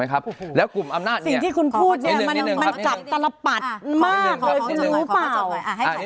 นี่มันบ้าไปแล้วนี่คุณพูดผิดเป็นถูกถูกเป็นผิด